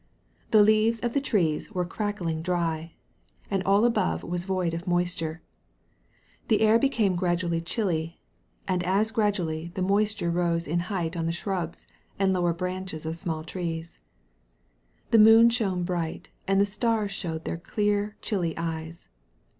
The leaves of the trees were crackling dry, and all above was void of moisture. The air became gradually chilly; and as gradually the moisture rose in height on the shrubs and lower branches of small trees. The moon shone bright, and the stars showed their clear, chilly eyes.